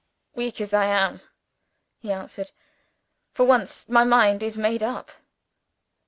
"Weak as I am," he answered, "for once, my mind is made up."